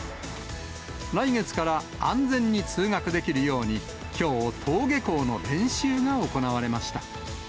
来月から安全に通学できるように、きょう、登下校の練習が行われました。